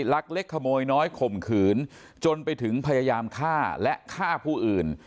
ลักเล็กขโมยน้อยข่มขืนจนไปถึงพยายามฆ่าและฆ่าผู้อื่น